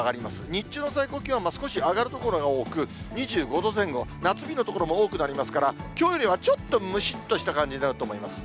日中の最高気温は少し上がる所が多く、２５度前後、夏日の所も多くなりますから、きょうよりはちょっとむしっとした感じになると思います。